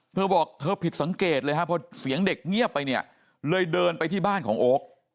เธอบอกเธอผิดสังเกตเลยฮะพอเสียงเด็กเงียบไปเนี่ยเลยเดินไปที่บ้านของโอ๊ค